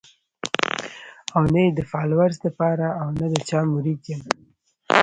او نۀ ئې د فالوورز د پاره او نۀ د چا مريد يم